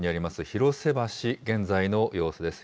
広瀬橋、現在の様子です。